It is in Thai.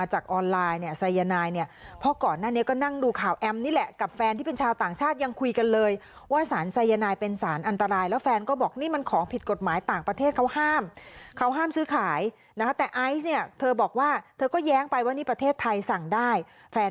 หรือว่าอะไรก็ตามที่ไอสั่งไปในตอนนั้น